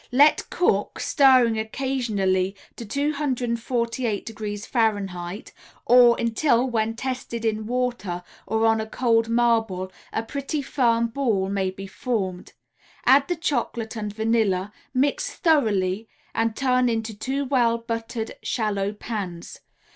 Let cook, stirring occasionally, to 248° F., or until, when tested in water or on a cold marble, a pretty firm ball may be formed. Add the chocolate and vanilla, mix thoroughly and turn into two well buttered shallow pans.